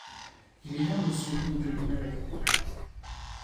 Il hiverne au sud de l’Himalaya.